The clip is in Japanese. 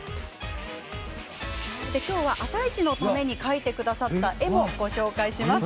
今日は「あさイチ」のために描いてくださった絵もご紹介します。